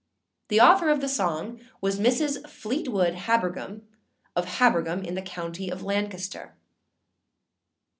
The author of the song was Mrs. Fleetwood Habergham, of Habergham, in the county of Lancaster.